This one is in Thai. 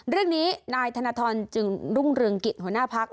เรื่องนี้นายธนทรจึงรุ่งเรืองกิจหัวหน้าพัก